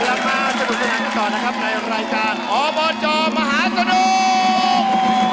แล้วมาสนุกขนาดต่อนะครับในรายการออบจมหาสนุก